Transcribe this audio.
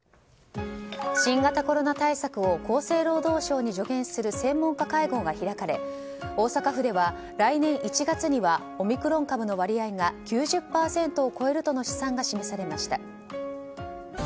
新型コロナ対策を厚生労働省に助言する専門家会合が開かれ大阪府では来年１月にはオミクロン株の割合が９０％を超えるとの試算が示されました。